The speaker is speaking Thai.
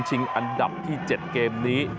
อันดับที่๗เกมนี้